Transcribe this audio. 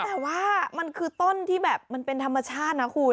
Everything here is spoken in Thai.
แต่ว่ามันคือต้นที่แบบมันเป็นธรรมชาตินะคุณ